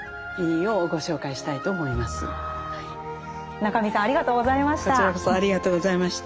中見さんありがとうございました。